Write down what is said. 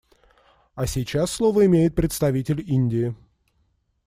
А сейчас слово имеет представитель Индии.